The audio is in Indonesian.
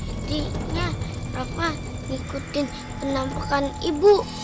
artinya rafa ngikutin penampakan ibu